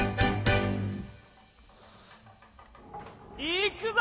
行くぞ！